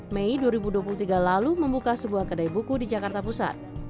mei dua ribu dua puluh tiga lalu membuka sebuah kedai buku di jakarta pusat